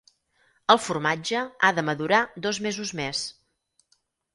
El formatge ha de madurar dos mesos més.